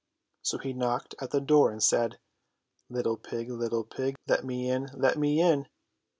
So he knocked at the door and said :*' Little pig! Little pig! Let me in! Let me in!"